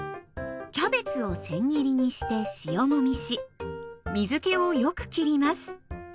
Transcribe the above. キャベツをせん切りにして塩もみし水けをよくきります。